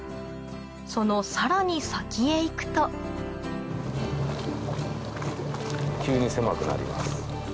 そのさらに先へ行くと急に狭くなります。